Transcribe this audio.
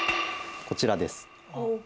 こちらです。